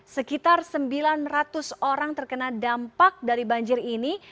sekitar sembilan ratus orang terkena dampak dari banjir ini